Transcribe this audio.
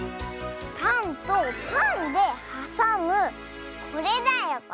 パンとパンではさむこれだよこれ！